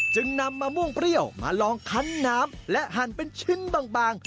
จึงนำมะม่วงเปรี้ยวมาลองคันน้ำและหั่นเป็นชิ้นบาง